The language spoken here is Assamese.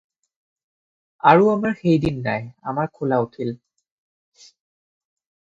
আৰু আমাৰ সেইদিন নাই, আমাৰ খোলা উঠিল।